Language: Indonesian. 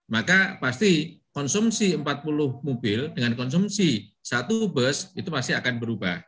maka pasti konsumsi empat puluh mobil dengan konsumsi satu bus itu pasti akan berubah